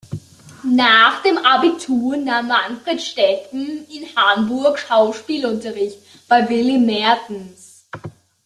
Nach dem Abitur nahm Manfred Steffen in Hamburg Schauspielunterricht bei Willy Maertens.